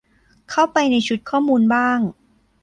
เข้าไปในชุดข้อมูลบ้าง